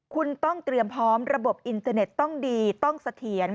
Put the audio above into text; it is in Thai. คุณต้องเตรียมพร้อมระบบอินเตอร์เน็ตต้องดีต้องเสถียร